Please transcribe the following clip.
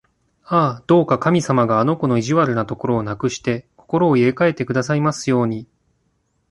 ああ、どうか神様があの子の意地悪なところをなくして、心を入れかえてくださいますように！